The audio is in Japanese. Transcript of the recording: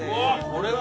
これは。